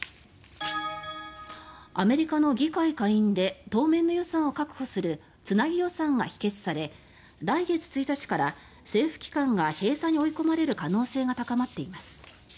アメリカの議会下院で当面の予算を確保するつなぎ予算が否決され来月１日から政府機関が閉鎖に追い込まれる可能性が高まっています。